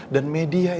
dan media itu seharusnya